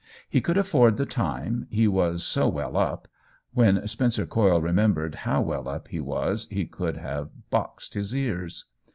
He could af ford the time, he was so well up — when Spencer Coyle remembered how well up he was he could have boxed his ears.